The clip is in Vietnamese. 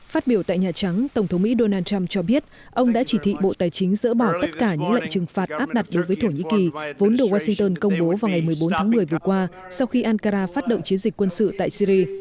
phát biểu tại nhà trắng tổng thống mỹ donald trump cho biết ông đã chỉ thị bộ tài chính dỡ bỏ tất cả những lệnh trừng phạt áp đặt đối với thổ nhĩ kỳ vốn đồ washington công bố vào ngày một mươi bốn tháng một mươi vừa qua sau khi ankara phát động chiến dịch quân sự tại syri